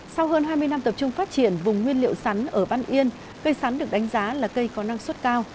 sau hơn hai mươi năm tập trung phát triển vùng nguyên liệu sắn ở văn yên cây sắn được đánh giá là cây có năng suất cao